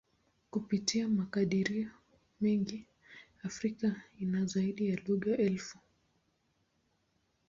Kupitia makadirio mengi, Afrika ina zaidi ya lugha elfu.